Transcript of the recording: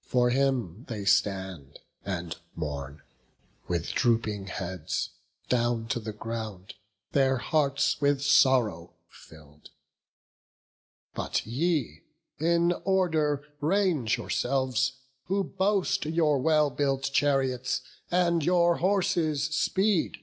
For him they stand and mourn, with drooping heads Down to the ground, their hearts with sorrow fill'd; But ye in order range yourselves, who boast Your well built chariots and your horses' speed."